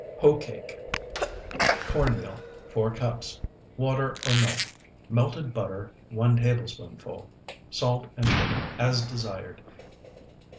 HOE CAKE Corn meal, 4 cups. Water, or milk. Melted butter, 1 tablespoonful. Salt and sugar as desired.